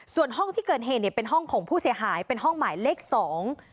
ส่วนห้องที่เกิดเหตุเนี่ยเป็นห้องของผู้เสียหายเป็นห้องหมายเลขสอง